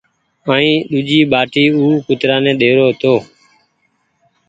ائين ۮوجي ٻآٽي او ڪترآ ني ڏيتو هيتو